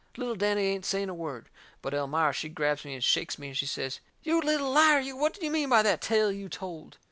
Little Danny ain't saying a word. But Elmira she grabs me and shakes me and she says: "You little liar, you, what do you mean by that tale you told?"